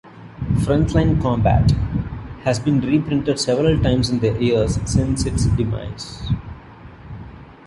"Frontline Combat" has been reprinted several times in the years since its demise.